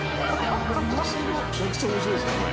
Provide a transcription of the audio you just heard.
めちゃくちゃ面白いねこれ。